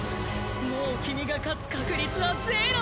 もう君が勝つ確率はゼロ！